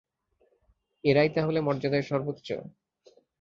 এরাই তাহলে মর্যাদায় সর্বোচ্চ?